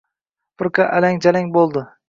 Firqa alang-jalang bo‘ldi.